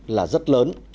là rất nhiều